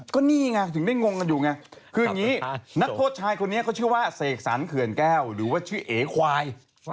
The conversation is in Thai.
ก็นี่ไงถึงได้งงกันอยู่ไงคืออย่างนี้นักโทษชายคนนี้เขาชื่อว่าเสกสรรเขื่อนแก้วหรือว่าชื่อเอควาย